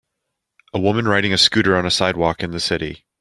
A woman riding a scooter on a sidewalk in the city.